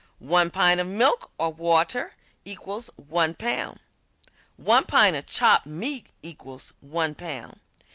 One pint of milk or water equals 1 pound. One pint of chopped meat equals 1 pound.